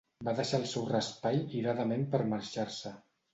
Va deixar el seu raspall iradament per marxar-se.